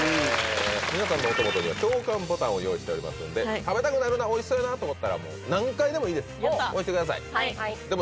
皆さんのお手元には共感ボタンを用意しておりますので食べたくなるな美味しそうやなと思ったらもう何回でもいいです